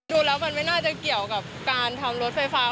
ดูแล้วมันไม่น่าจะเกี่ยวกับการทำรถไฟฟ้า